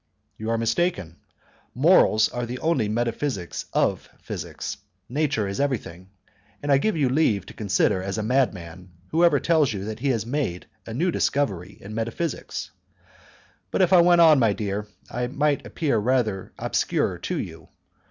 "You are mistaken; morals are only the metaphysics of physics; nature is everything, and I give you leave to consider as a madman whoever tells you that he has made a new discovery in metaphysics. But if I went on, my dear, I might appear rather obscure to you.